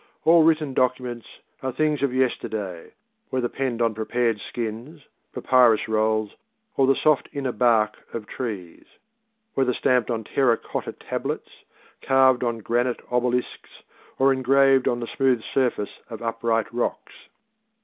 All written documents are things of yesterday, whether penned on prepared skins, papyrus rolls, or the soft inner bark of trees; whether stamped on terra cotta tablets, carved on granite obelisks, or engraved on the smooth surface of upright rocks.